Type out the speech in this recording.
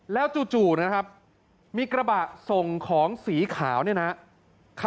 แล้วจู่นะครับมีกระบะส่งของสีขาวเนี่ยนะครับ